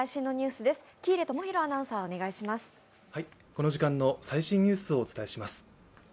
この時間の最新ニュースをお伝えします。